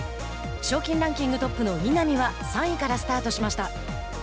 賞金ランキングトップの稲見は３位からスタートしました。